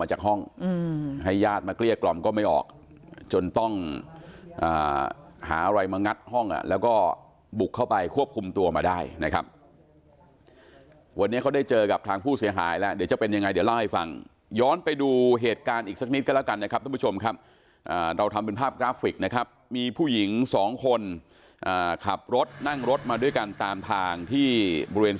โทรศัพท์นี่โทรศัพท์นี่โทรศัพท์นี่โทรศัพท์นี่โทรศัพท์นี่โทรศัพท์นี่โทรศัพท์นี่โทรศัพท์นี่โทรศัพท์นี่โทรศัพท์นี่โทรศัพท์นี่โทรศัพท์นี่โทรศัพท์นี่โทรศัพท์นี่โทรศัพท์นี่โทรศัพท์นี่โทรศัพท์นี่โทรศัพท์นี่โทรศ